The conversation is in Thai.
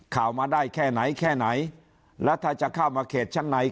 ข่าวมาได้แค่ไหนแค่ไหนแล้วถ้าจะเข้ามาเขตชั้นใน